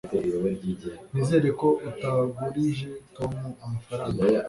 Nizere ko utagurije Tom amafaranga